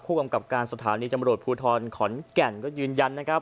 กำกับการสถานีตำรวจภูทรขอนแก่นก็ยืนยันนะครับ